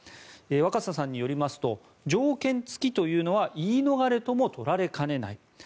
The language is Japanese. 若狭さんによりますと条件付きというのは言い逃れとも取られかねない。